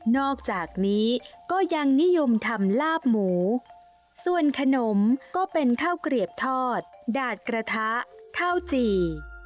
อกจากนี้ก็ยังนิยมทำลาบหมูส่วนขนมก็เป็นข้าวเกลียบทอดดาดกระทะข้าวจี่